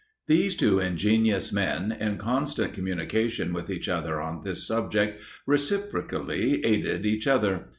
These two ingenious men, in constant communication with each other on this subject, reciprocally aided each other.